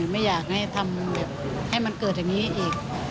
ไม่อยากให้ทำให้มันเกิดอย่างนี้อีก